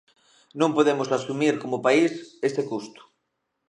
Non podemos asumir como país ese custo.